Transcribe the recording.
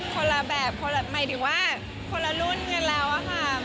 คนละแบบคนแบบหมายถึงว่าคนละรุ่นกันแล้วอะค่ะ